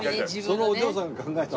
そのお嬢さんが考えたの？